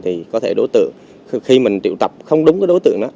thì có thể đối tượng khi mình triệu tập không đúng cái đối tượng đó